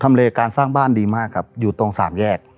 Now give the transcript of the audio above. เลการสร้างบ้านดีมากครับอยู่ตรงสามแยก